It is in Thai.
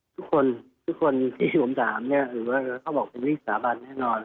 ทุกคนที่ผมถามเนี่ยหรือว่าเค้าบอกว่าเป็นพี่ศาบันแน่นอน